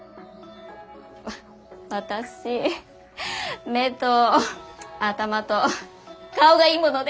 私目と頭と顔がいいもので。